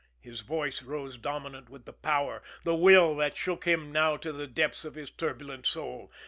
his voice rose dominant with the power, the will that shook him now to the depths of his turbulent soul.